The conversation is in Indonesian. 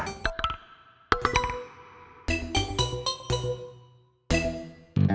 nanti kita beli